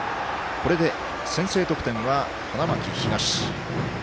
これで先制得点は花巻東。